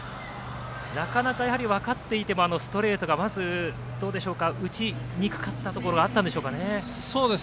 なかなか、分かっていてもストレートがまず、どうでしょうか打ちにくかったところがあったんでしょうか。